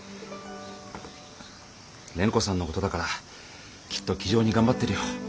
蓮子さんの事だからきっと気丈に頑張ってるよ。